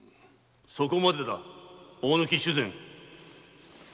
・そこまでだ大貫主膳。